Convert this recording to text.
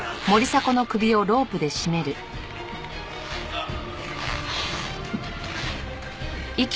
あっ。